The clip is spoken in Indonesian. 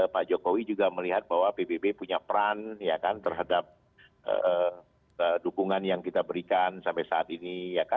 pak jokowi juga melihat bahwa pbb punya peran terhadap dukungan yang kita berikan sampai saat ini